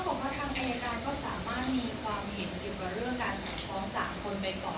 เกี่ยวกับเรื่องการสัดพ้อง๓คนไปก่อน